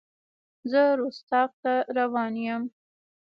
زه رُستاق ته روان یم.